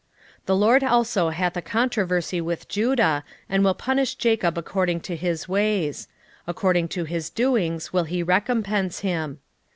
12:2 The LORD hath also a controversy with Judah, and will punish Jacob according to his ways; according to his doings will he recompense him.